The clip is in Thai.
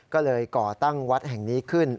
ก็เลยก่อตั้งวัดแห่งนี้ขึ้น